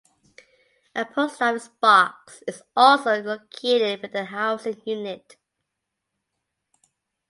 A post office box is also located within the housing unit.